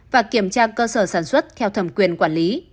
và kiểm tra cơ sở sản xuất theo thẩm quyền quản lý